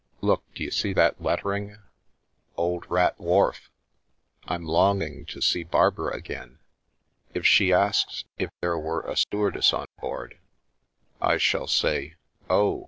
Look ! d'you see that lettering ' Old Rat Wharf '? I'm longing to see Barbara agz If she asks if there were a stewardess on board, I si j! say, ' Oh